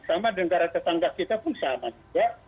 sama negara tetangga kita pun sama juga